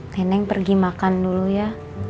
teneng pergi makan dulu ya